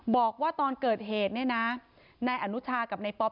บอกว่าตอนเกิดเหตุเนี่ยนะนายอนุชากับนายป๊อป